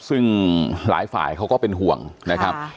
ซึ่งหลายฝ่ายเขาก็เป็นห่วงนะครับ